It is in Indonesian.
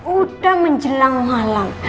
udah menjelang ngalang